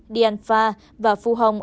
điện pha và phu hồng